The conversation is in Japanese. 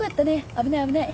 危ない危ない。